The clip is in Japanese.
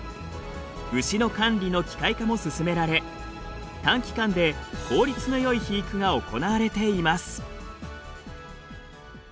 牛の管理の機械化も進められ短期間で効率のよい肥育が行われています。